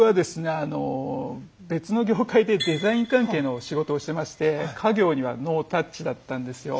あの別の業界でデザイン関係の仕事をしてまして家業にはノータッチだったんですよ。